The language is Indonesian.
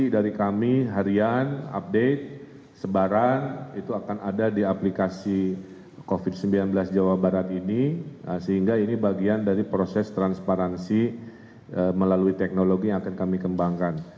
dari kami harian update sebaran itu akan ada di aplikasi covid sembilan belas jawa barat ini sehingga ini bagian dari proses transparansi melalui teknologi yang akan kami kembangkan